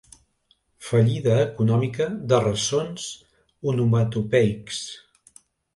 Fallida econòmica de ressons onomatopeics.